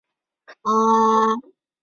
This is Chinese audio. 徐揖据城死守。